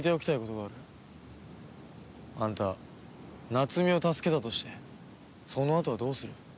あんた夏美を助けたとしてそのあとはどうする？